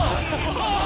ああ！